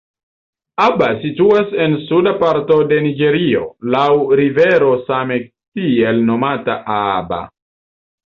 Aba situas en suda parto de Niĝerio laŭ rivero same tiel nomata Aba.